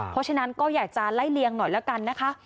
เพราะฉะนั้นก็อยากจะไล่เลียงหน่อยแล้วกันนะคะ